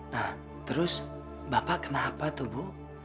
nah terus bapak kenapa tuh bu